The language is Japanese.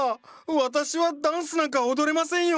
私はダンスなんか踊れませんよ！